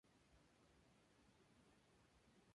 En las inmediaciones se encuentra laguna El Rey.